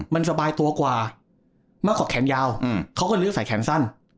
มันสบายตัวกว่ามากกว่าแขนยาวเขาก็เลือกใส่แขนสั้น